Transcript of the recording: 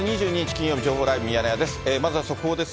金曜日、情報ライブミヤネ屋です。